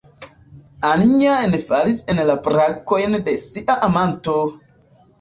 Anja enfalis en la brakojn de sia amanto!